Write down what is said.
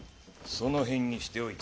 その辺にしておいたがよい。